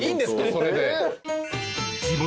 それで。